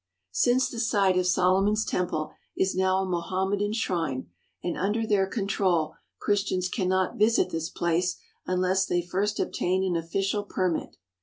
Since the site of Solomon's Temple is now a Moham medan shrine, and under their control, Christians can not visit this place unless they first obtain an official permit.